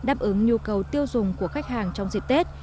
đáp ứng nhu cầu tiêu dùng của khách hàng trong dịp tết